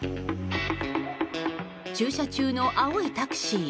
駐車中の青いタクシー。